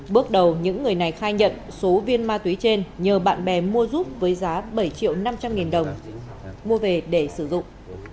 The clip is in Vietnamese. bước đầu những người này khai nhận số viên ma túy trên nhờ bạn bè mua giúp với giá bảy triệu năm trăm linh nghìn đồng mua về để sử dụng